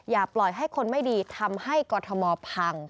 อย่าปล่อยให้คนไม่ดีทำให้กรทมพัง